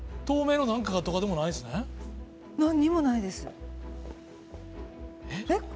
透明の何かとかでもないですよね。